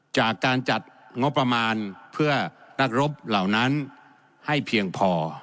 จากการจัดงบประมาณเพื่อนักรบเหล่านั้นให้เพียงพอ